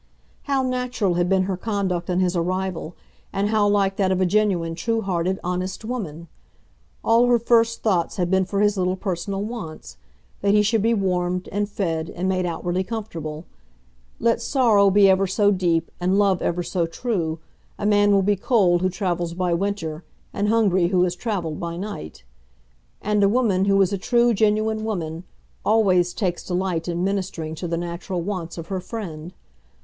How natural had been her conduct on his arrival, and how like that of a genuine, true hearted, honest woman! All her first thoughts had been for his little personal wants, that he should be warmed, and fed, and made outwardly comfortable. Let sorrow be ever so deep, and love ever so true, a man will be cold who travels by winter, and hungry who has travelled by night. And a woman, who is a true, genuine woman, always takes delight in ministering to the natural wants of her friend.